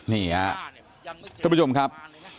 นี่อ่ะทุกผู้ชมครับ